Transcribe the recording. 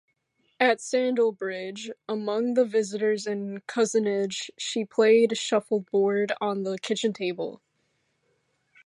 At Sandlebridge, among the visitors and cousinage she played shuffleboard on the kitchen table.